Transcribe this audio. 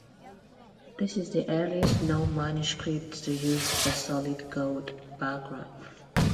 This is the earliest known manuscript to use a solid gold background.